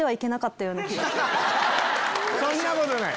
そんなことない！